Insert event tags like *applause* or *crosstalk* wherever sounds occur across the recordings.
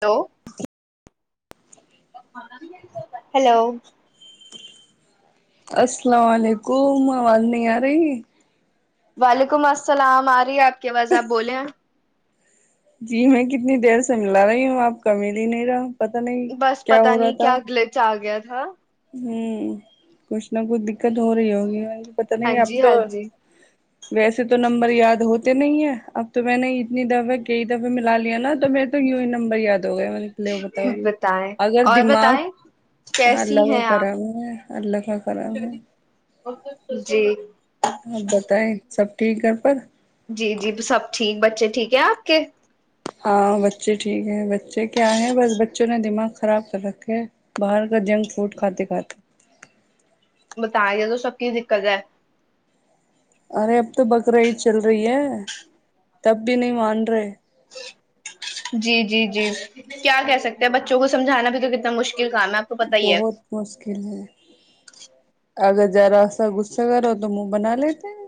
hello hello السلام علیکم آواز نہیں آ رہی وعلیکم السلام آ رہی آپ کی آواز آپ بولے ہیں جی میں کتنی دیر سے ملا رہی ہوں آپ کا مل ہی نہیں رہا پتا نہیں بس کیا پتا ہو رہا نہیں تھا کیا اگلے چ آ گیا تھااں ہوں کچھ نہ کچھ دقت ہو رہی ہوگی پت ہاں نہیں اب جی تو ہاں جی ویسے تو نمبر یاد ہوتے نہیں ہے اب تو میں نے اتنی دفعہ کئی دفعے ملا لیا نا تو م تو یوں ہی نمبر یاد گئے میںے بتاؤ جی بتائیں اگر اور دماغ بتائیں کیسی ہلہگ ہیں کرا آپ ہے اللہ کا کرم ہے جی ہ بتائےت سب ٹھیک ہے پر جی جی سب ٹھیک بچے ٹھیک کیا آ کے ہاں بچے ٹھیک ہے بچے کیا ہے بس بچوں نے دماغ خراب کر رکھے باہر جنک فوڈ کھاتے کھاتے بتائیں یہ تو سب کی دقت ہے ارے اب تو بکرا ہی چل رہی ہے تب بھی نہیں مان رہے جی جی جی کیا کہہ سکتے ہیں بچوں کو سمجھانا بھی تو کتنا مشکل کام ہے آپ کو پتا ہی ہے بہت مشکل ہے اگر جراصا غصہ کرو تو منہ بنا لیتے ہیں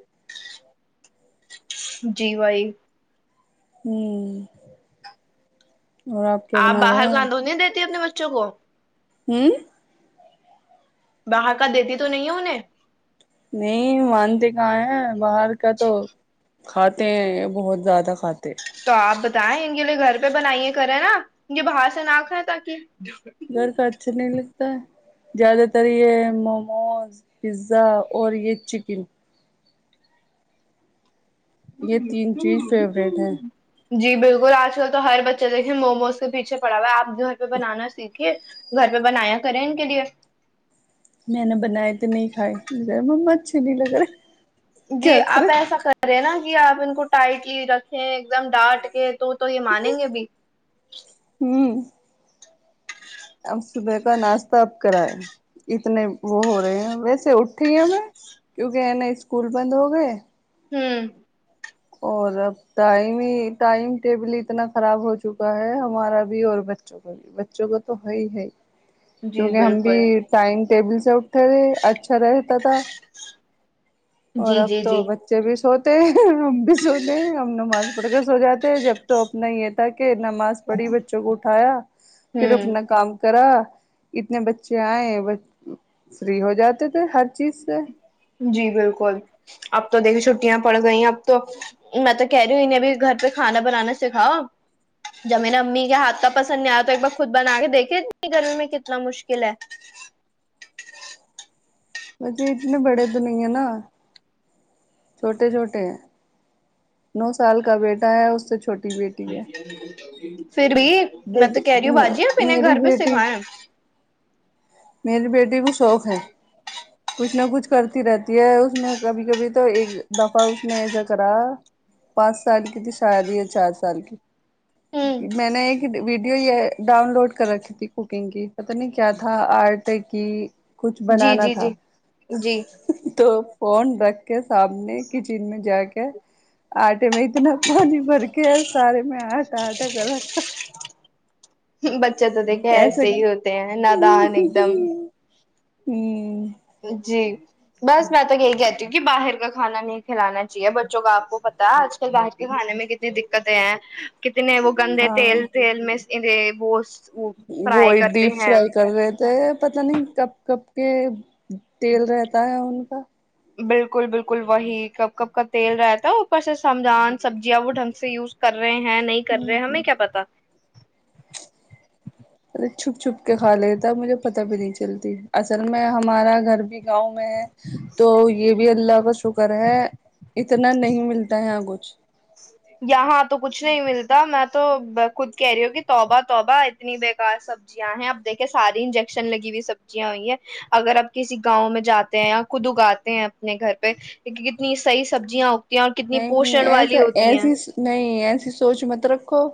جی بھائی ہوں اور کیا آپ بنا رہے باہر ہو کاندونی دیتی اپنے مچ پچ گ ہوں بہکہ دیتی تو نہیں انہیں نہیں مانتے کہاں ہے باہر کا تو کھاتے ہیں بہت زیادہ کھاتے ہیں تو آپ بتائیں ان کے لیے گھر پہ بنائیے کریں نا ان کے باہر سے نہا کھائیں تاکہ گھر کا ارچ نہیں لگتا ہے زیادہ تر یہ موموز پیزا اور یہ چکن یہ تین چیز فیوریٹ ہے جی بالکل آج کل تو ہر بچے دیکھے موموز کے پیچھے پڑا ہوا ہے آپ گھر پہ بنانا سیکھ گھر پہ بنایا کریں ان کے لیے میں نے بنائے تو نہیں کھائے ما سری نگر جی آپ ایسا کر رہے نا آپ ان کو ٹائٹلی رکھیں ایک دم ڈانٹ کے تو تو یہ مانیں گے بھی ہوں اب صبح کا ناشتہ اب کراائے اتنے وہ ہو رہے ہیں ویسے اٹھی ہے ہم کیونکہ ہے ن اسکول بند ہو گئے ہوں اور اب ٹائم ہی ٹائم ٹیبل اتنا خراب ہو چکا ہے ہمارا بھی اور بچوں کا بھی بچوں کا تو ہے ہی ہے ہی جی کیونکہ ہم بھی بالکل ٹائم ٹیبل سے اٹھ رہے اچھا رہتا تھا اور جی اب جی جی تو بچے بھی سو تو ہم بھی سوتےے ہمن مال پکس ہو جاتے جب تو اپنا ہی یہ تھا نماز پڑھی بچوں کو اٹھایا پھر ہوں اپنا کام کررا اتنے بچے آئے وہ فری ہو جاتے تھے ہر چیز سے جی بالکل اب تو دیکھیے چھٹیاں پڑ گئی اب تو میں تو کہہ رہی ہوں انیںبھی گھر پہ کھانا بنانا سکھاؤ جب میرے امی کے ہاتھ کا پسند نہیں آیا تو ایک بار خود بنا کے دیکھے گرمی میں کتنا مشکل ہے وے اتنے بڑے دنے نا چھوٹے چھوٹے نو سال کا بیٹا ہے اس سے چھوٹے *inaudible* *inaudible* پھر بھی میں بیٹی تو کہہ رہی ہوں باجی ہےپیں میری گھر پہ بیٹی سکھایا میری بیٹی پ شوق ہے کچھ نہ کچھ کرتی رہتی ہے اس میں کبھی کبھی تو ایک دفعہ اس نے ایسا کرا پانچ سال کی تھی شاید ہی یا چار سال ہوں کی میں نے ایک ویڈیو یہ ڈاؤن لوڈ کر رکھی تھی کوکنگ کی پتہ نہیں کیا تھا آر ت کی کچھ جی بنانا جی تھا جی جی تو فون رکھ کے سامنے کچن میں جا کے آٹے میں اتنا پانی بھر کے سارے میں آٹا آٹا کر رکھا ب اچا تو دیکھے ایسے ہی ہوتے ہیں نادان ایک دم ہوں جی بس میں تو یہی کہتی ہوں کہ باہر کا کھانا نہیں کھلانا چاہیے بچوں کا آپ کو پتا ہے آج کل باہر کے کھانے میں کتنی دقتیں ہیں وہ گندے تیل تی م ان بوس *unintelligible* وہ ڈیپ فرائی کر رہے تھے پت نہیں کب کب کہ تیل رہتا ہے ان کا بالکل بالکل وہی کپ کب کا تیل رہتا اوپر سے سمجان سبزیاں وہ ڈھنگ سے یوز کر رہے ہیں نہیں کر ہ رہے ہمیں کیا پتا *unintelligible* *unintelligible* پتا بھی نہیں چلتی اصل میں ہمارا گھر بھی گاؤں تو یہ بھی اللہ ب شکر ہے اتنا نہیں ملتا ہے یہ کچھ یہاں تو کچھ نہیں ملتا میں تو خود کہہ رہی ہوں کہ توبہ توبہ اتنی بےیکار سبزیاں ہیں اب دیکھے ساری انجیکشن لگی ہوئی سبزیاں ہوئی ہیں اگر آپ کسی گاؤں میں جاتے ہیں خود اگاتے ہیں اپنے گھر پہ کتنی صحی سبزیاں کتنی نہیں پوشن والی ایسا ہوتی ایسی نہیں ایسی سوچ میں ت رکھو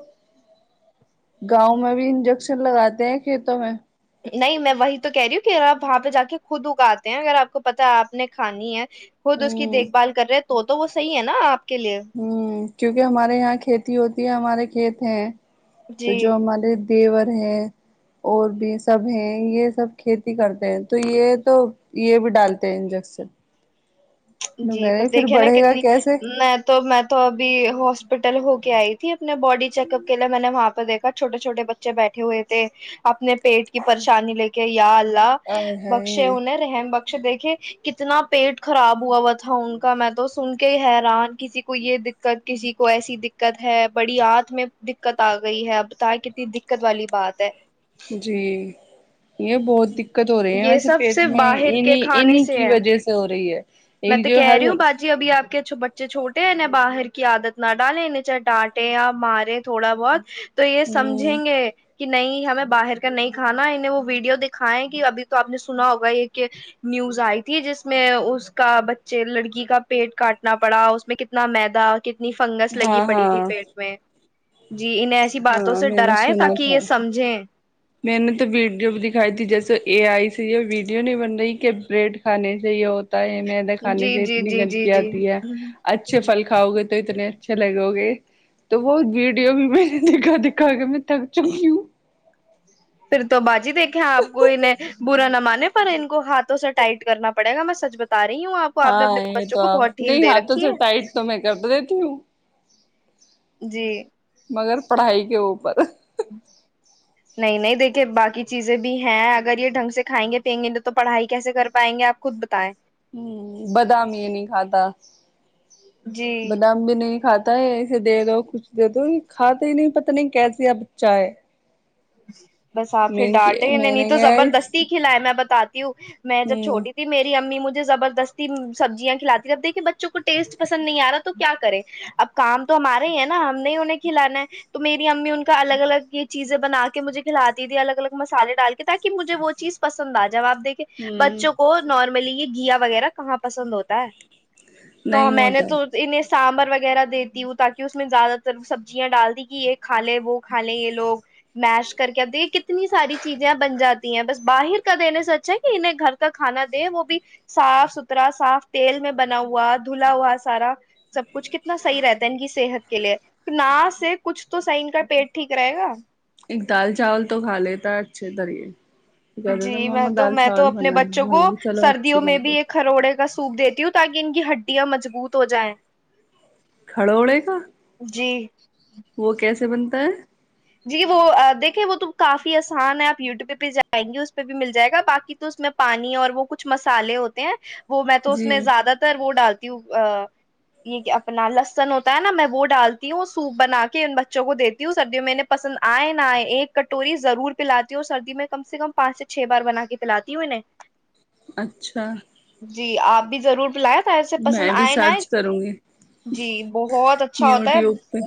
گاؤں میں بھی انجیکشن لگاتے ہیں کھیتوں میں نہیں میں وہی تو کہہ رہی ہوں کہ آپ وہاں پہ جا کے خود اگاتے ہیں اگر آپ کو پتاہ آپ نے کھانی ہے خود اس کی ہ دیکھ بھال کر رہے تو وہ صحیح ہے نا آپ کے لیے ہوں کیونکہ ہمارے یہاں کھیتی ہوتی یہ ہمارے کھیت ہیں تو جی جو ہمارے دیو اور بھی سب ہیں یہ سب کھیتی کرتے ہیں تو یہ تو یہ بھی ڈالتے ہیں انجیکشن جی پر وغیرہ پھر دیکھیے نا بڑھے گا کتنی کیسے میں تو میں تو ابھی ہاسپٹل ہوگی آئی تھی اپنے باڈی چیک اپ کے لیے میں نے وہاں پہ دیکا چھوٹے چھوٹے بچے بیٹھے ہوئے تھے اپنے پیٹ کی پریشانی لے کے آئی یا اللہ اور بخشے ہے ہون رحم بک دیکھے کتنا پیٹ خراب ہوا ہوا تھا ان کا میں تو سن کے ہی حیران کسی کو یہ دقت کسی کو ایسی دقت ہے بڑی آھ میں دقت آ گئی ہے اب بتائے کتنی دقت والی بات ہے *unintelligible* یہ بہت دقت ہو رہی ہے یہ ویسے سب پیٹ صرف میں باہر کے انیں کھانے انہیں سے کی ہے وجہ سے ہو رہی ہے میں ایک تو جو کہہ رہی ہر ہوں ہ باجی ابھی آپ بچے چھوٹے انیں باہر کی عادت نہ ڈالیں انیں چاہے ڈانٹے یا مارے تھوڑا بہت تو یہ سمجھیں گے کہ نہیں ہمیں باہر کا نہیں کھانا انیں وہ ویڈیو دکھائے کہ ابھی تو آپ نے سنا ہوگا یہ نیوز آئی تھی جس میں اس کا بچے لڑکی کا پیٹ کاٹنا پڑا اس میں کتنا میدا کتنی فنگس لگی ہاں پڑی ہاں تھی پیٹ میں جی ان ایسی باتوں ہاں سے میں نے ڈرائے سنا تاکہ یہ تھا سمجھیں میں نے تو ویڈیو بھی دکھائی تھی جیسے اے آئی یہ ویڈیو نہیں بن رہی کہ بریڈ کھانے سے یہ ہو یہ م نےا کھانے جی سے جی اتنی جی جی گندگی جی آتی ہے ہ اچھے پھل کھاؤ گے تو تو اتنے اچھے لگو گے تو ب ویڈیو بھی میں نے دھا دکھا کے میں تھک چکی ہوں پھر تو بعد جی دیکھے آ کو انہیں برا نہ مانے پر ان کو ہاتھوں سے ٹائٹ کرنا پڑے گا میں سچ بت ہاں یہ تو آپ نہیں دے ہاتھوں رکھی سے ہے ٹائٹ تو میں کر دیتی ہوں جی مگر پڑھائی کے اوپر نہیں نہیں دیکھے باقی چیزیں بھی ہیں اگر یہ ڈھنگ سے کائیں گے پیئیں گے نہیں تو پڑھائی کیسے کر پائیں گے آپ خود بتائیں ہ بادام یہ نہیں کھاتا جی بادام بھی نہیں کھاتا پتا ہے ایے دے دو کچھ دے دو یہ کھاتے ہی نہیں پت نہیں کیسی آ بچہ ہے *inaudible* بس آپ پھر میں ڈانٹے ہیں ن میں نہیں نے تو زبردستی کیا کھلا ہے میں بتا میں جب ہ چھوٹی تھی میری امی مجھے زبر سست سبزیاں کھلاتی اب دیکھیے بچوں کو ٹیسٹ پسند نہیں آ رہا تو کیا کرے اب کام تو ہمارے ہی ہیں نا ہم نے انہیں کھلانا ہے تو میری امی ان کا الگ الگ یہ چیزیں بنا کے مجھے کھلاتی تھی الگ الگ مسالے ڈال کے تاکہجھے وہ چیز پسند آ ج جواب دیکھے ہوں بچوں کو نارملی یہ گیا وغیرہ کہاں پسند ہوتا ہے تو نہیں میں نے ہوتا تو ان سانبر وغیرہ دیتی ہوں تاکہ اس میں زیادہ تر سبزیاں ڈال دی کہ یہ کھا لے وہ کھا لے یہ لوگ میش کر کے آپ دیکے کتنے اتنی ساری چیزیں بن جاتی ہیں بس باہر کا دینے سے سچا کہ انہیں گھر کا کھانا دے وہ بھی صاف ستھرا صاف تیل میں بنا ہوا دھلا ہوا سارا سب کچھ کتنا صحیح رہتا ہے ان کی صحت کے لیے ن سے کچھ تو سن کا پیٹ ٹھیک رہے گا ایک دال چاول تو کھا لیتا ہے اچھے دریے جی میں تو میں تو اپنے بچوں بنانا کو میں چلو اچھی سردیوں میں بات بھی ہے ایک ہروڑے کا سوکھ دیتی ہوں تاکہ ان کی ہڈیاں مجبوط ہو جائیں کھڑونےے کا جی وہ کیسے بنتا ہے جی وہ دیکھے وہ تو کافی آسان ہے آپ یوٹیوب پہ بھیہ جائیں گے اس پہ بھی مل جائے گا باقی تو اس میں پانی اور وہ کچھ مسالے ہوتے ہیں وہ میں تو اس جی میں زیادہ تر وہ ڈال یہ اپنا لسن ہوتا ہے نا میں وہ ڈالتی ہوں سوپ بنا کے ان بچوں کو دیتی ہوں سردیوں میں نے پسند آئے نہ آئے ایک کٹوری ضرور پلاتی ہوں اور سردی میں کم سے کم پانچ سے چھ بار بنا کے پلاتی ہوں انہیں اچھا جی آپ بھی ضرور بلاائیں ایسے پسند میں بھی آئے نہئے سرچ کروں گی جی بہت اچھا ہوتا ہے یوٹیوب پہ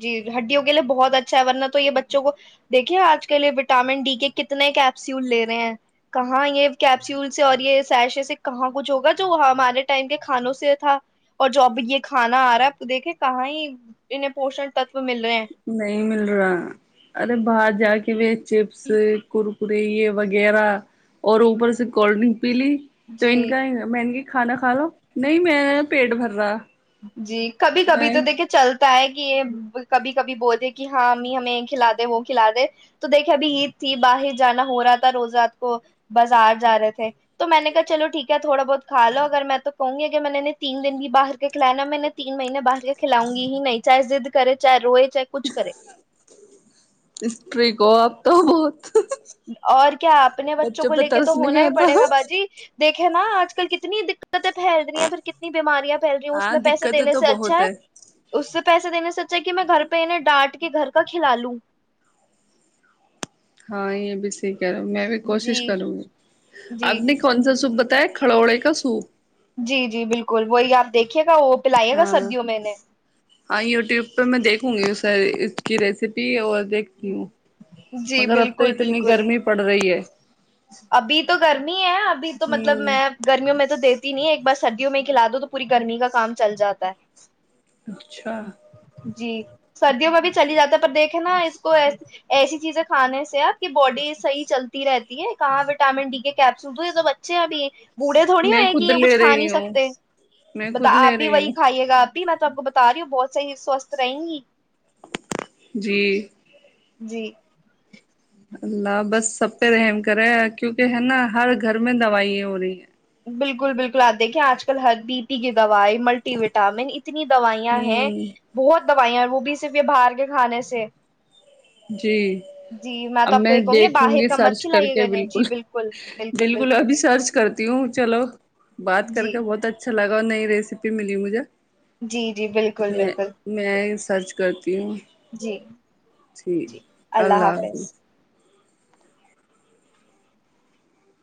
جی ہڈی ہو کےی لیے بہت اچھا اچھا ورننا تو یہ بچوں کو دیکھیے آج کل یہ وٹامن ڈی کے کتنے کیپسول لے رہے ہیں کہاں یہ کیپسول سے اور یہ سیشے سے کہاں کچھ ہوگا جو ہمارے ٹائم کے کھانوں سے تھا اور جو اب یہ کھانا آ رہا ہے دیکھے کہاں ہی انیں پوشن مل رہے ہیں نہیں مل رہا ارے باہر جا کے و چپس ک پیے وغیرہ اور اوپر سے کولڈ ڈرنک پلی تو ان جی کا م کھانا کھا لو نہیں میر پیٹ بھر رہا جی کبھی کبھی میں تو دیکھیے چلتے ہے کہ یہ کبھی کبھی بولے کہ ہاں امی ہمیں یہ کھلا دے وہ کھلا دے تو دیکھے ابھی عید تھی باہر جانا ہو رہا تھا روز رات کو بازار جا رہے تھے تو میں نے کہا چلو ٹھیک ہے تھوڑا بہت کھا لو اگر میں تو کہوں گی اگر میں نے تین دن بھی باہر کھلانا میں نے تین مہی باہر کے کھلاؤں گی ہی نہیں چاہے زضد کرے چاہے روئے چاہے کچھ کرے اسپری گو آپ ا اور کیا اپنے بچوں کو پہ لے کے تو ترسنے ہونا گیا ہی تھا پڑے گا باجی دیکھ نا آج کل کتنی دقتیں پھیل رہی ہیں پھر کتنی بیماریا پھیل رہی ہ اس ہاں میں پیسے دقتیں دینے تو سے اچھا بہت ہے اس سے پیسے دینے سے سچا کہ میں گھر پہ انہیں ڈانٹ کے گھر کا کھلا لوں ہاں یہ بھی سی کہہ رہا ہوں میں بھی جی کوشش کروں گی جی آپ نے کون سا سپ بتایا کڑوڑے کا سوپ جی جی بالکل وہی آپ دیکھیے گا وہ پلائیے گا ہاں سردیوں میں نے ہاں یوٹیوب پہ میں دیکھوں گی اس سر اس کی ریسیپی اور دیکھتی ہوں جی مگر اب تو بالکل اتنی بالکل گرمی پڑ رہی ہے ابھی تو گرمی ہے ابھی تو مطلب ہوں میں گرمیوں میں تو دیکھ نہیں ایک بار سردیوں میں ہی کھلا دو تو پوری گرمی کا کام چل جاتا ہے اچھا جی سردیوں میں بھی چلی جاتا ہے پر دیکھیں نا اس کو ایسی چیزیں کھانے سے آپ کی باڈی صحیح چلتی رہتی کہاں وٹامن ڈی کے کیپسول تو یہ سب اچے ہیں ابھی بوڑھے تھوڑی میں ہوئے ہیں کہ خود یہ کچھ لے کھا نہیں رہی ہوں سکتے میں بتا خود آپ لے بھی رہی وہی ہوں کھائیے گا آپ ابھی میں تو آپ کو بتا رہی ہوں بہت صح سوستھ رہیں گی جی جی اللہ بس سب رحم کرے کیونکہ ہے نا ہر گھر میں دوائی ہو رہی ہیں بالکل بالکل آپیکھیں آج کل ہر دیپی کی دوائی ملٹی وٹامن اتنی دوائیاں ہیں ہوں بہت دوائیاں وہ بھی صرف یہ باہر گئے کھانے سے جی جی اب تو آپ کو میں یہ کہوں دیکھوں باہر گی کا مت سرچ کر کھلائیے کے گا نے بالکل جی بالکل ابھی سرچ کرتی ہوں چلو بات کر جی کے بہت اچھا لگا اور نہیں ریسیپی ملی مجھے جی جی بالکل میں بالکل میں سرچ کرتی ہوں جی ٹھیک جی اللہ حافظ